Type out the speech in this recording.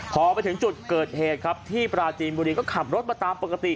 พอไปถึงจุดเกิดเหตุครับที่ปราจีนบุรีก็ขับรถมาตามปกติ